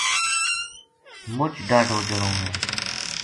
مچ ڈاہڈو جنو ہے